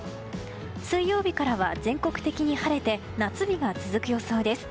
水曜日からは全国的に晴れて夏日が続く予想です。